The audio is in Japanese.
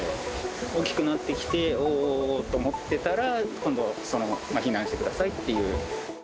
大きくなってきて、おーおーおーと思ってたら、今度は避難してくださいっていう。